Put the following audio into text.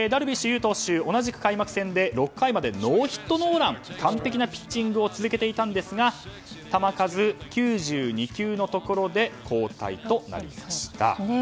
有投手同じく開幕戦で６回までノーヒットノーランで完璧なピッチングを続けていましたが球数９２球で交代となりました。